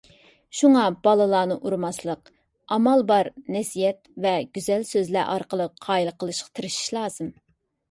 شۇڭا بالىلارنى ئۇرماسلىق، ئامال بار نەسىھەت ۋە گۈزەل سۆزلەر ئارقىلىق قايىل قىلىشقا تىرىشىش لازىم.